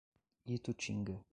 Itutinga